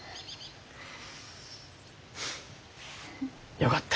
よかった。